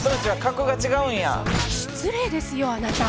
失礼ですよあなた！